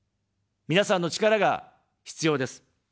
皆さんの力が必要です。